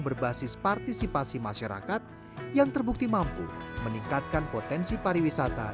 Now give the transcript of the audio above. berbasis partisipasi masyarakat yang terbukti mampu meningkatkan potensi pariwisata